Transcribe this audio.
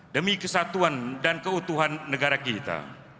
demi kesatuan dan keutuhan negara kita